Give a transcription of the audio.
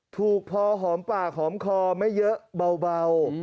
ถูกพอหอมปากหอมคอไม่เยอะเบา